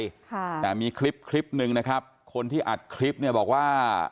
ค่ะแต่มีคลิปคลิปหนึ่งนะครับคนที่อัดคลิปเนี่ยบอกว่า